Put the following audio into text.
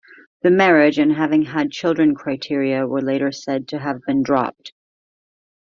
The marriage and having had children criteria were later said to have been dropped.